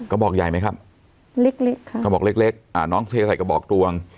กระบอกใหญ่ไหมครับเล็กเล็กค่ะกระบอกเล็กเล็กอ่าน้องเทใส่กระบอกตวง